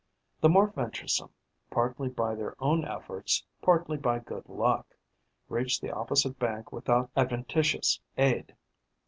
The more venturesome, partly by their own efforts, partly by good luck, reach the opposite bank without adventitious aid.